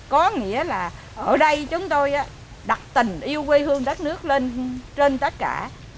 có nghĩa là ở đây chúng tôi đặt tình yêu quê hương đất nước lên trên tất cả